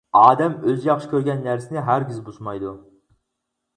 ئادەم ئۆزى ياخشى كۆرگەن نەرسىنى ھەرگىز بۇزمايدۇ.